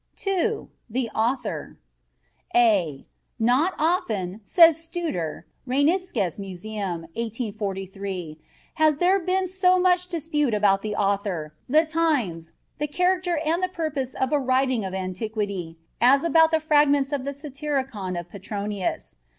II THE AUTHOR. a "Not often," says Studer (Rheinisches Museum, 1843), "has there been so much dispute about the author, the times, the character and the purpose of a writing of antiquity as about the fragments of the Satyricon of Petronius."